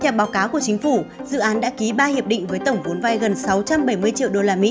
theo báo cáo của chính phủ dự án đã ký ba hiệp định với tổng vốn vai gần sáu trăm bảy mươi triệu usd